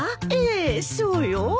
ええそうよ。